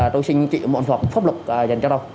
tôi xin chịu một thuật pháp luật dành cho tôi